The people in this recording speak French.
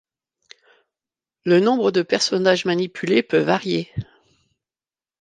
Le nombre de personnage manipulés peut varier.